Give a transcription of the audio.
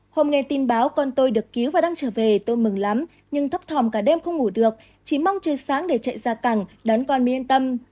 hôm nghe tin báo con tôi được cứu và đang trở về tôi mừng lắm nhưng thấp thòm cả đêm không ngủ được chỉ mong trời sáng để chạy ra cẳng đón con mới yên tâm